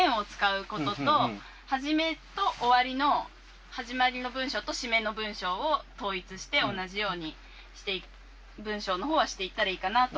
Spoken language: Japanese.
始めと終わりの始まりの文章と締めの文章を統一して同じように文章の方はしていったらいいかなと思いました。